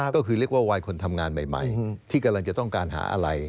ก็คือเรียกว่าวัยคนทำงานใหม่ที่กำลังจะต้องการหาอะไร